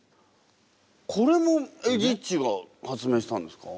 これもエジっちが発明したんですか？